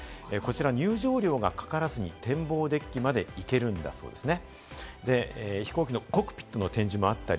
入場料がかからず展望デッキまで行けるんだそうですね。